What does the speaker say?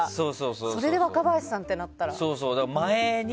それで若林さんとなったら。